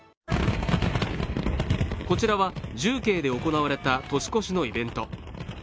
こちらは重慶で行われた年越しのイベント。